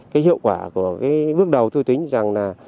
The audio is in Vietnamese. cái hiệu quả của cái bước đầu tôi tính rằng là